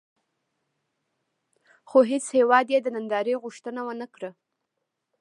خو هېڅ هېواد یې د نندارې غوښتنه ونه کړه.